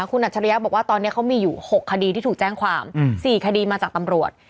คุณอัจฉริยะบอกว่าตอนนี้เขามีอยู่๖คดีที่ถูกแจ้งความ๔คดีมาจากตำรวจ